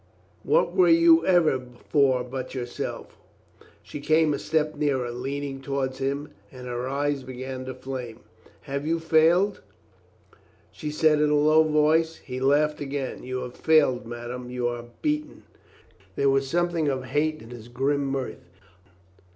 "What were you ever for but yourself?" She came a step nearer, leaning toward him, and her eyes began to flame. "Have you failed?" she said in a low voice. He laughed again. "You have failed, madame. You are beaten." There was something of hate in his grim mirth.